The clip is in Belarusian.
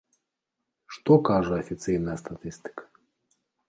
Што кажа афіцыйная статыстыка?